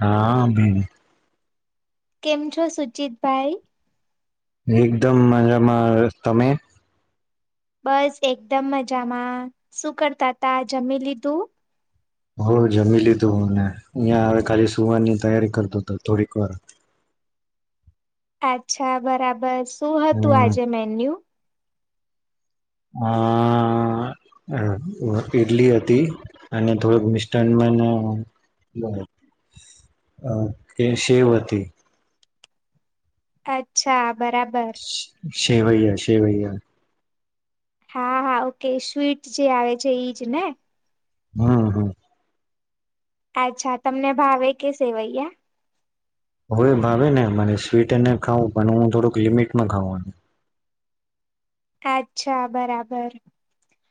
હા ભી કેમ છો સુચિતભાઈ? એકદમ મજામાં, તમે? બસ એકદમ મજામાં શું કરતા તા જમી લીધું? હો જમી લીધું હો ને અહં હ ખાલી સુવારની તૈયારી કરતો હતો થોડીક વાર. અચ્છા બરાબર. શું હતું હમ આજે મેન્યુ? આ ઈડલી હતી અને થોડક મિસ્ટાનમાં કે સેવ હતી. અચ્છા. બરાબર. સેવૈયા સેવૈયા. હા હા ઓકે સ્વીટ જે આવે છે ઈજ ને. હા હા. અચ્છા તમને ભાવે કે સેવૈયા? હોવે ભાવે ને મને સ્વીટ અને ખાવં પણ હું થોડુંક લિમિટમાં ખઉં. અચ્છા બરાબર.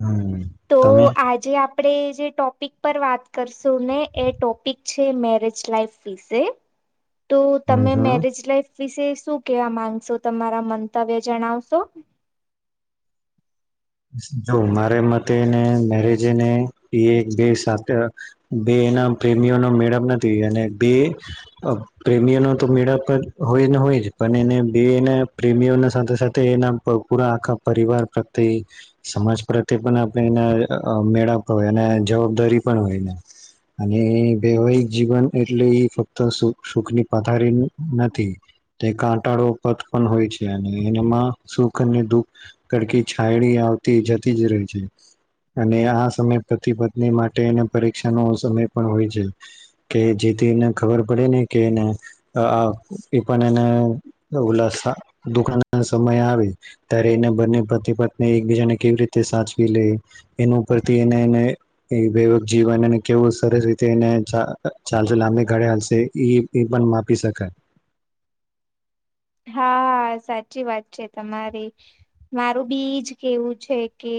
હમ તો તમે આજે આપ આપણે જે ટોપિક પર વાત કરશું ને એ ટોપિક છે, મેરેજ લાાઈફ વિશે તો હમ તમે હમ મેરેજ લાઈફ વિશે શું કેવા માંગશો તમારા મંતવ્ય જણાવશો. જો મારે મતેને મેરેજને એ બે સાથે બે એના પ્રેમીઓનો મેળપ નથી. અને બે અ પ્રેમીઓનો તો મેળપ હોયને હોય જ પણ એને બે ને પ્રેમીઓ સાથે સાથે એના પૂરા આખા પરિવાર પ્રત્યે સમાજ પ્રત્યે પણ આપણે એના મેળા હોય અને જવાબદારી પણ હોયને અને વૈવાહિક જીવન એટલે એ ફક્ત સુ સુખ ની પધારી નથી તે કાંટાળો પથ પણ હોય છે અને એનામાં સુખ અને દુઃખ કડકી છાયડી આવતી જતી જ રેય છે અને આ સમય પ્રતિ પત્ની માટે એને પરીક્ષાનો સમય પણ હોય છે કે જેથી એને ખબર પડે ને કેને અ એ પણ એને ઉ દુકાના સમય આવે ત્યારે એને બંને પ્રતિપત એકબીજાને કેવી રીતે સાચવી લે એના ઉપરથી એને એને વૈવક જીવન એને કેવું સરસ રીતે એને ચા ચાલશે લાંબી ગાળે હાલશે એ એ પણ માપી શકાય. હા સાચી વાત છે તમારે મારું બીજ કેવું છે કે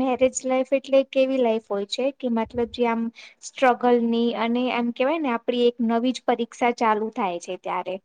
મેરેજ લાઈફ એટલે કેવી લાઈફ હોય છે કે મતલબ જે આમ સ્ટ્રગલની અને એમ કેવાય ને આપડી એક નવી જ પરીક્ષા ચાલુ થાય છે ત્યારે.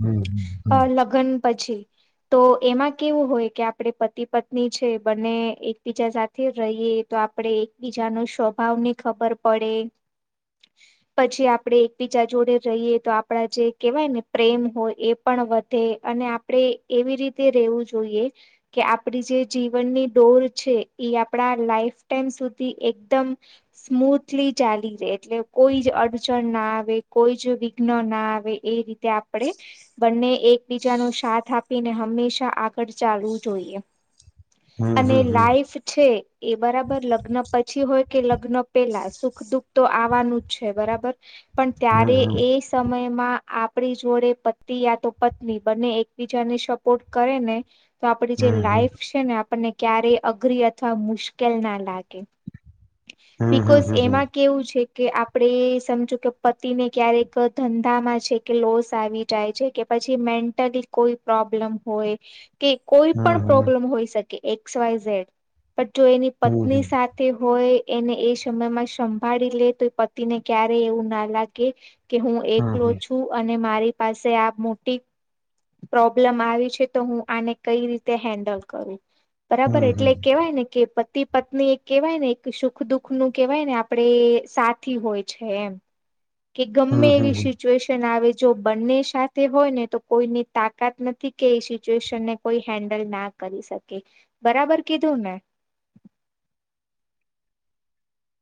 હમ્મ. અ લગ્ન પછી. તો એમાં કેવું હોય કે આપડે પતિ પત્ની છે બન્ને એકબીજા સાથે રહીએ તો આપડે એકબીજા ન સ્વભાવ ની ખબર પડે પછી આપડે એકબીજા જોડે રહીએ તો આપડા જે કેહેવાય ને પ્રેમ હોય એ પણ વધે અને આપણે એવી રીતે રહેેવું જોઈએ કે આપડી જે જીવનની ડોર છે ઇ આપણા લાઈફ ટાઈમ સુધી એકદમ સ્મૂથલી ચાલી રે એટલે કોઈ જ અડચણ ના આવે કોઈ જ વિઘ્ન ના આવે એ રીતે આપણે બંને એકબીજાનો સાથ આપીને હંમેશા આગળ ચાલવું જોઈએ. અને હમ હમ લાઈફ છે. એ બરાબર લગ્ન પછી હોય કે લગ્ન પેલા સુખ દુઃખ તો આવાનું જ છે બરાબર પણ ત્યારે હમ એ સમય માં આપડી જોડે પતિ યા તો પત્ની બંને એકબીજાને સપોર્ટ કરે ને તો આપડી જે હમ લાઈફ છે ને અ આપણને ક્યારેય અઘરી અથવા મુશ્કેલ ના લાગે. હમ હમ બિકોસ હમ એમાં કેવું છે. કે આપણેે સમજો કે પતિને ક્યારેક ધંધામાં છે કે લોસ આવી. જાય છે કે પછી મેન્ટલી કોઈ પ્રોબ્લેમ હોય. કે કોઈ પણ હમ પ્રોબ્લમ હોય શ એક્સ વાય ઝેડ પણ જો એની હમ હમ હમ પત્ની હમ સાથે હોય એને એ શમયમાં સંભાળી લે તો એ પતિને ક્યારેય એવું ના લાગે. કે હું હમ હમ એકલો હમ છું. અ અને મારી પાસે આ મોટી પ્રોબ્લેમ આવી છે. તો હું આને કઈ રીતે હેન્ડલ કરું બરાબર. હમ એટલે હમ કેવાય ને કે પતિ પત્ની એક કેવાય ને એક સુખ દુખ નું કેવાય ને આપડે સાથી હોય છે. એમ કે ગમે હમ એવી હમ સિચ્યુએશન આવે જો બન્ને. સાથે હોય ને તો કોઈની તાકાત નથી કે એ સિચ્યુએશન ને કોઈ હેન્ડલ ના કરી શકે બરાબર કીધું ને?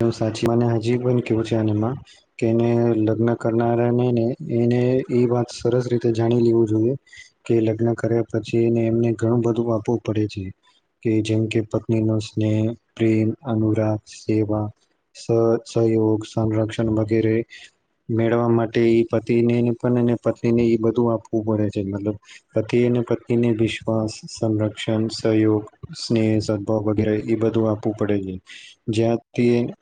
[inaudible] મને હજી પણ કેવું છે. આનામાં કે એને લગ્ન કરનારાનેને એને એ વાત સરસ રીતે જાણી લેવું જોઈએ, કે લગ્ન કર્યા પછી ને એમને ઘણું બધું આપવું પડે છે, કે જેમ કે પત્ની નો સ્નેહ પ્રેમ અનુરાગ સેવા. સ સહયોગ, સંરક્ષણ વગેરે મેળવવા માટે ઇ પતિને પણને પત્નીને ઇ બધું આપવું પડે છે, મતલબ પતિ અને પત્નીને વિશ્વાસ, સંરક્ષણ, સહયોગ, સ્નેહ, સદભાવ વગેરે બધું આપવું પડે છે, જ્યાં તે [inaudible]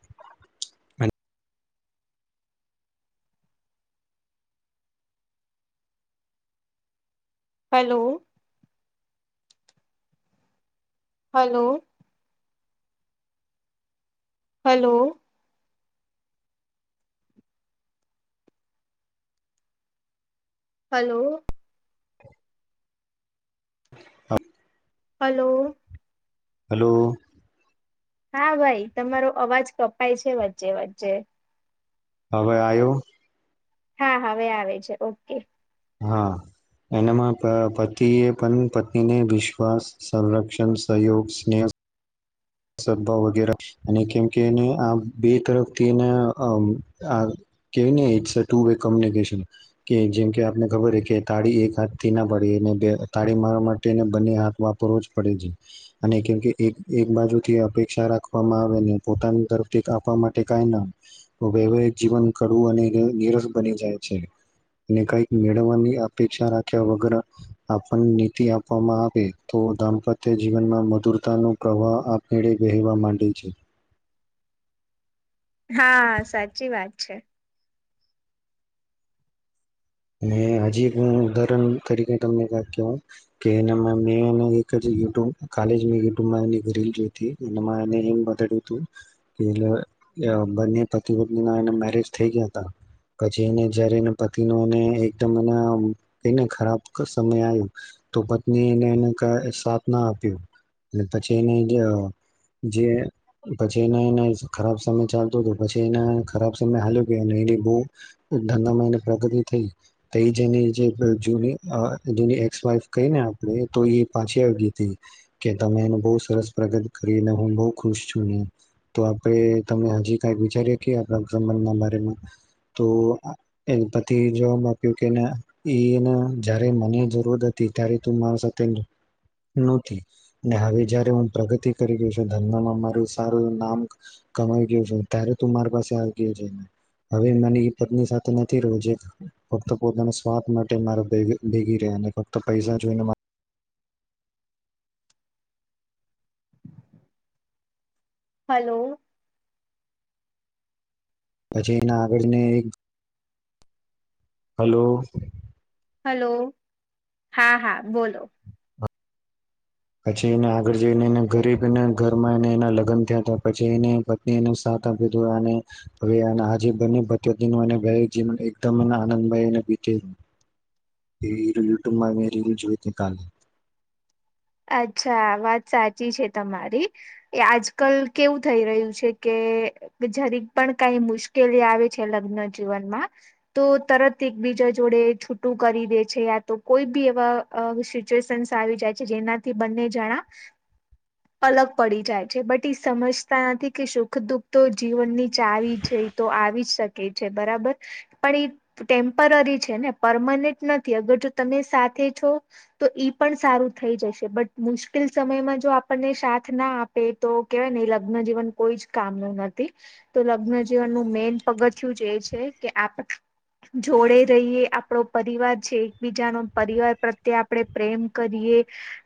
હલો, હલો! હલો! હલો! હ, હ. હલો! હલો. હા ભાઈ તમારો અવાજ કપાય છે. વચ્ચે વચ્ચે હવે આયો. હા હવે આવે છે, ઓકે. હા, એનામાં પતિએ પણ પત્નીને વિશ્વાસ, સંરક્ષણ, સહયોગ, સ્નેહ સદભાવ વગેરે અને કેમકે એને આ બે તરફથી એને અમ આ કેય ને ઇટસ ટુ વે કોમ્યુનિકેશન કે જેમકે, આપને ખબર હોય કે તાળી એક હાથથી ના પડેને તાળી મારવા માટેને બંને હાથ વાપરવો જ પડે છે, અને કેમકે એક એક બાજુ થી અપેક્ષા રાખવામાં આવેને પોતાની તરફથી આપવા માટે કાંઈ ના વૈવાહિક જીવન કડવું અને નિરસ બની જાય છે ને કાઈક મેળવવાની અપેક્ષા રાખ્યા વગર આપણ નીતિ આપવામાં આવે તો દાંપત્ય જીવનમાં મધુરતા નો પ્રવાહ આ મેળે વહેવા માંડે છે. હા સાચી વાત છે. ને હજી એક હું ઉદાહરણ તરીકે તમને વાત કેવ કે [inaudible] કાલે જે મે યુ ટ્યુબમાં રીલ જો એ એમ બતાડયું તું. કે [inaudible] બને પતિ પત્નીના મેરેજ થઈ ગયા પછી ને જયારેએના પતિનું ને એકદમ એના એના ખરાબ સમય આવ્યો તો પત્ની ને એને સાથ ના આપ્યો. પછી એને જે જે પછી એ એને ખરાબ સમય ચાલતો ગયો પછી, એને ખરાબ સમય હાલ્યો ગ્યો, એની બવ ધંધામાં ને પ્રગતિ એ જેની જે જુની જની એક્સ વાઈફ કહીને આપણે તો એ પાછી આવી તી કે તમે [inaudible] બહુ સરસ પ્રગત કરીને હું બહુ ખુશ છું. ને તો આપણે તમે હજી કાંઇ વિચાર્યું કે આપણા સંબંધના બારેમા તો એ તે જવાબ આપ્યો કે એના એને જ્યારે મને જરૂર હતી. ત્યારે, તું મારા સાથે નોતી ને હવે જયારે હું પ્રગતિ કરી રહ્યો છું ધંધામાં મારું સારું નામ કમાઈ ગયું છે. ત્યારે તું માર પાસે આવીતી [inaudible] હવે મને પત્ની સાથે નથી રેવું જે ફક્ત પોતાના સ્વાદ માટે મારા ભેગી રહ્યા ફક્ત પૈસા જોઈને. હલો, પછી એના આગળને એક હલો, હલો હા હા બોલો. પછી એને આગળ જઈને એને ગરીબને ઘરમાં એને એના લગ્ન થયા હતા. પછી એને પત્ની એને સાથ આપી અને હવે, આજ બને ભત્યનું ભ જીવન એકદમ આનંદભાઈને બીતી એવી હીરો યુટ્યુબમાં મેમેં રીલ જોઈત કા અચ્છા વાત સાચી છે. તમારી એ આજકાલ કેવું થઈ રહ્યું છે કે જરી પણ કઈ મુશ્કેલી આવે છે. લગ્ન જીવનમાં તો તરત એકબીજા જોડે છૂટું કરી દે છે. યા તો કોઈ બી એવા સિચ્યુએશન્ આવી જાય છે. જેના બંને જણા અલગ પડી જાય છે. બટ એ સમજતા નથી કે સુખ દુઃખ તો જીવનની આવી જઈ તો આવી જ શકે. છે. બરાબર પણ, ઈ ટેમ્પરરી છે ને પરમનન્ટ નથી. અગર જો તમે સાથે છો તો ઈ પણ સારું થઈ જશે. બટ મુશ્કેલ સમયમાં જો આપણને સાથ ના આપે તો કેહેવાય ને લગ્નજીવન કોઈ જ કામ ન નથી તો લગ્નજીવનનું મેન પગથિયું જ એ છે, કે આપ જોડે રહીએ આપણો પરિવાર છે. એકબીજાનો પરિવાર પ્રત્યે આપણે પ્રેમ કરીએ.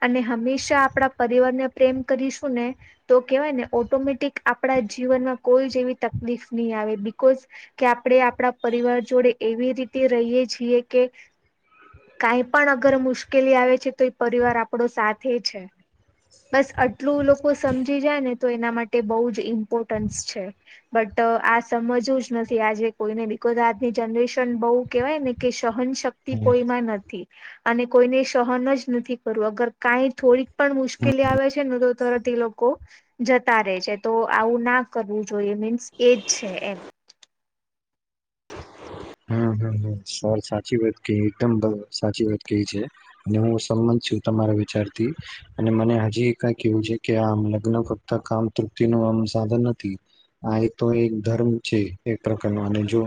અને હંમેશા આપણા પરિવારને પ્રેમ કરીશું, ને તો કેહેવાય ને ઓટોમેટિક આપણા જીવનમાં કોઈ જ એવી તકલીફ નહી આવે. બકોઝ કે આપણે આપણા પરિવાર જોડે એવી રીતે રહીયએ છીએ, કે કઈ પણ અગર મુશ્કેલી આવે છે. તો એ પરિવાર આપડો સાથે છે બસ આટલું લોકો સમજી જાય ને તો એના માટે બહુ જ ઇમ્પોર્ટન્સ છે બટ આ સમજવું જ નથી આજે કોઈને બિકઝ આજની જનરેશન બહુ કેહેવાય ને કે સહનશક્ વક્તિ કોઈમાં નથી અને કોઈને સહન જ નથી કરવા અગર કાઈ થોડીક પણ મુશ્કેલી આવે છે ને તો તરત એ લોકો જતા રેય છે તો આવું ના કરવું જોઈએ મીન્સ એજ છે એમ હમ [unintelligible] સાચી વાત ક એકદમ સાચી વાત ક છે અને હું સંમત છું તમારા વિચાર થી અને મને હજી કઈ કેવું છે કે આ લગ્ન ફક્ત આમ તૃપ્તિ નું આમ સાધન નથી આ એક તો એક ધર્મ છે એક પ્રકારનો અને જો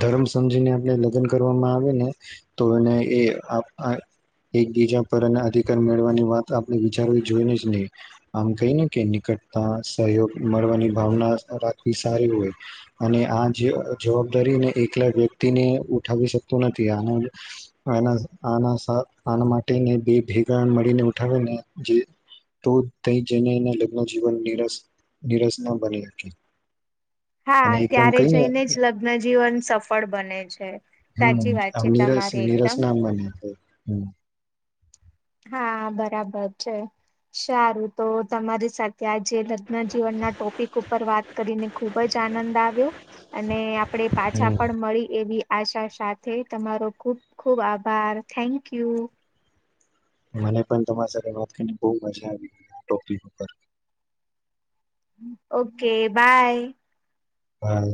ધર્મ સમજીને આપણે લગન કરવામાં આવે ને તો એને એ એકબીજા પર એ અધિકાર મેળવાની વાત આપણે વિચારવી જોઈને જ નહી આમ કઈ ને કે નિકટતા સહયોગ મળવાની ભાવના રાખવી સારી હોય અને આ જવાબદારીને એકલા વ્યક્તિને ઉઠાવી શકતું નથી આના આના આના માટેને બે ભેગા મળીને ઉઠાવે ને તો જઈને એ લગ્ન [unintelligible] હા અને એકદમ ત્યારે કઈને જઈને જ લગ્નજીવન સફ પળ બને છે હમ સાચી વાત છે તમારી એકદમ [unintelligible] ના બને હમ હા બરાબર છે સારું તો તમારી સાથે આજે લગ્ન જીવન ના ટોપિક ઉપર વાત કરીને ખુબ જ આનંદ આવ્યો અને આપણેે પાછા હમ પણ મળી એવી આશા સાથે તમારો ખુબ ખુબ આભાર થેન્ક યુ મને પન તમારી સાથે વાત કરીને બો મજા આવી ટોપિક ઉપર ઓ કે બાય હા